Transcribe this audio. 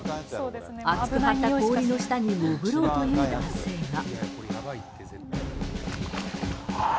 厚く張った氷の下に潜ろうという男性が。